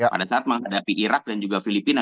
pada saat menghadapi irak dan juga filipina